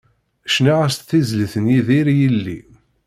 Cniɣ-as-d tizlit n Yidir i yelli.